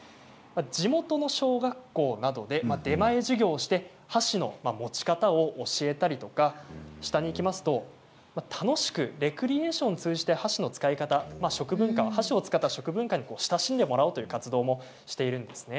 地元の小学校などで出前授業をして箸の持ち方を教えたりとか下にいきますと楽しくレクリエーションを通じて箸の使い方、食文化箸を使って食文化に楽しく親しんでもらおうという活動もしているんです。